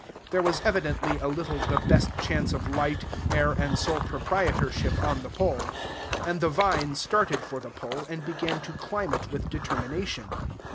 There was evidently a little the best chance of light, air, and sole proprietorship on the pole. And the vine started for the pole, and began to climb it with determination.